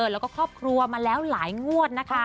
แล้วก็ครอบครัวมาแล้วหลายงวดนะคะ